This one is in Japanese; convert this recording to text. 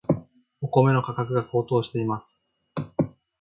お米の価格が高騰しています。